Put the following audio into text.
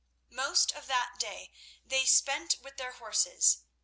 Most of that day they spent with their horses.